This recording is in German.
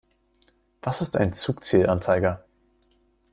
Was ist ein Zugzielanzeiger?